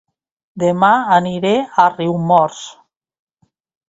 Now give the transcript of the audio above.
Dema aniré a Riumors